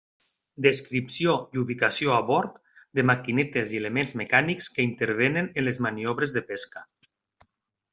Descripció i ubicació a bord de maquinetes i elements mecànics que intervenen en les maniobres de pesca.